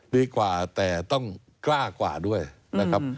ดีกว่าแต่ต้องกล้ากว่าด้วยนะครับ